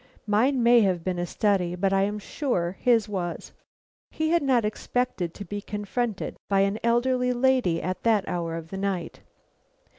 Mine may have been a study, but I am sure his was. He had not expected to be confronted by an elderly lady at that hour of night.